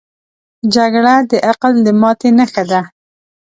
جګړه د عقل د ماتې نښه ده